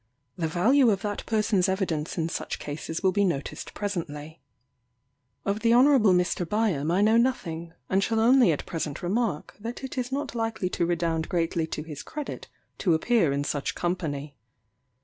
The value of that person's evidence in such cases will be noticed presently. Of the Hon. Mr. Byam I know nothing, and shall only at present remark that it is not likely to redound greatly to his credit to appear in such company.